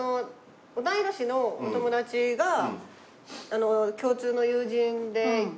同い年のお友達が共通の友人でいて。